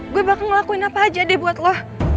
gue bakal ngelakuin apa aja deh buat lo